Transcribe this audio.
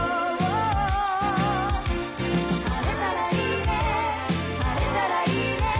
「晴れたらいいね晴れたらいいね」